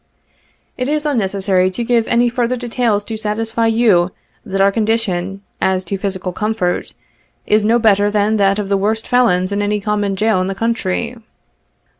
It is unnecessary to give any further details to satisfy you, that our condition, as to physical comfort, is no better than that of the worst felons in auy common jail in the country.